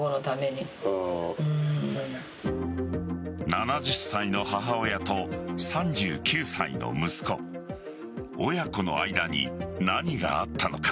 ７０歳の母親と３９歳の息子親子の間に何があったのか。